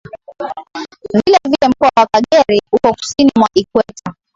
Vile vile Mkoa wa Kagera uko Kusini mwa Ikweta